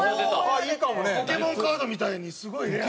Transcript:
ポケモンカードみたいにすごいレア。